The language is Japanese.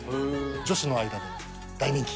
女子の間で大人気。